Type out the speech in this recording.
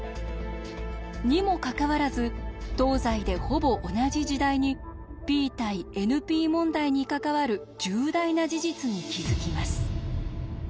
にもかかわらず東西でほぼ同じ時代にＰ対ＮＰ問題に関わる重大な事実に気付きます。